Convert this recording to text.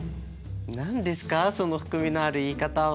何ですかその含みのある言い方は。